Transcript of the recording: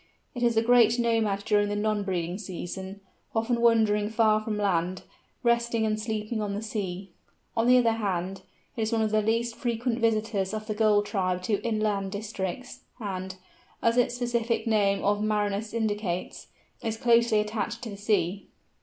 It is a great nomad during the non breeding season, often wandering far from land, resting and sleeping on the sea. On the other hand, it is one of the least frequent visitors of the Gull tribe to inland districts, and, as its specific name of marinus indicates, is closely attached to the sea.